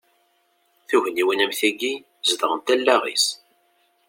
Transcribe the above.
Tugniwin am tigi, zedɣent allaɣ-is.